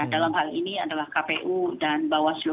dalam hal ini adalah kpu dan bawaslu